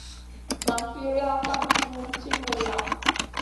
Nan firiya kam sumun ci milla.